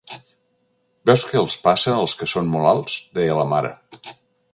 "Veus què els passa als que són molt alts?" deia la mare.